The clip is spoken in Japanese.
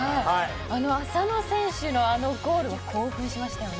浅野選手のゴールも興奮しましたね。